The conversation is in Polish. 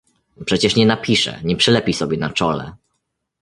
"Przecież nie napisze, nie przylepi sobie na czole?"